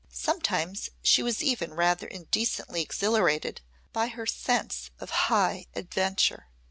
Sometimes she was even rather indecently exhilarated by her sense of high adventure.